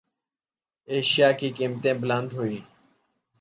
اشیا کی قیمتیں بلند ہوئیں